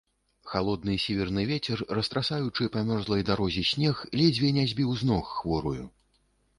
Халодны сіверны вецер, растрасаючы па мёрзлай дарозе снег, ледзьве не збіў з ног хворую.